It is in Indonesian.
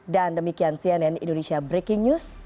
dan demikian cnn indonesia breaking news